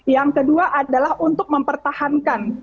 yang kedua adalah untuk mempertahankan